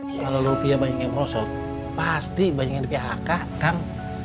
kalau rupiah banyak yang merosot pasti banyak yang di phk kan